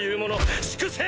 粛清！